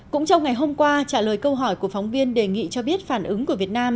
cũng trong ngày hôm qua trả lời câu hỏi của phóng viên đề nghị cho biết phản ứng của việt nam